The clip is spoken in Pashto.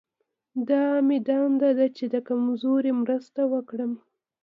دا مې دنده ده چې د کمزوري مرسته وکړم.